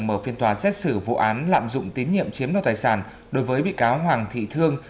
mở phiên tòa xét xử vụ án lạm dụng tín nhiệm chiếm đoạt tài sản đối với bị cáo hoàng thị thương